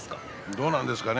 どうなんですかね